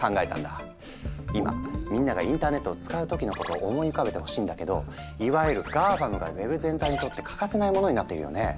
今みんながインターネットを使う時のことを思い浮かべてほしいんだけどいわゆる「ＧＡＦＡＭ」がウェブ全体にとって欠かせないものになっているよね。